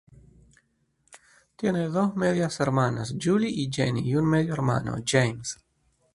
Tiene dos medias hermanas —Julie y Jenny— y un medio hermano —James—.